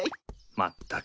まったく。